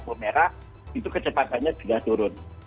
ketika mendekati lampu merah kecepatannya sudah turun